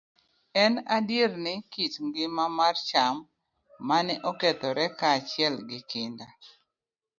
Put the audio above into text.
En adier ni, kit ngima mar cham ma ne okethore kaachiel gi kinda